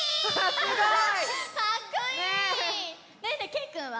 けいくんは？